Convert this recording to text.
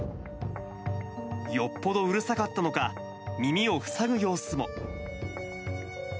よっぽどうるさかったのか、耳を塞ぐ様子も。